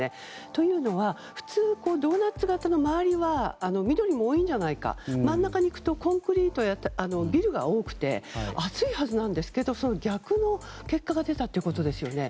というのは普通ドーナツ型の周りは緑も多いんじゃないか真ん中に行くとコンクリートやビルが多くて暑いはずなんですけどその逆の結果が出たということですよね。